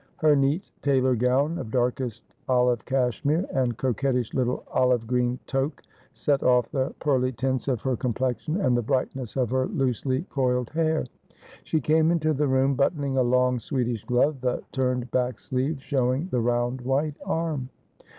Her neat tailor gown of darkest olive cashmere, and coquettish little olive green toque, set off the pearly tints of her complexion and the brightness of her loosely coiled hair. She came into the room buttoning a long Swedish glove, the turned back sleeve showing the round white arm.